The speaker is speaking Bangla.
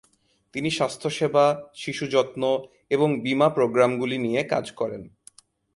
তিনি স্বাস্থ্যসেবা, শিশু যত্ন এবং বীমা প্রোগ্রামগুলি নিয়ে কাজ করেন।